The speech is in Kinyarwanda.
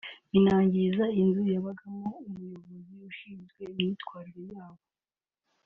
banangiza inzu yabagamo umuyobozi ushinzwe imyitwarire yabo